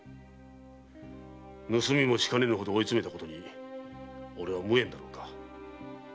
盗みもしかねんほど追い詰めたことに俺は無縁だろうか。